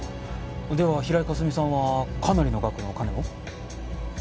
では平井かすみさんはかなりの額のお金を？